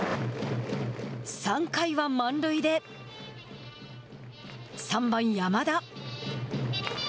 ３回は満塁で３番、山田。